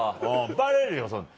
バレるよ。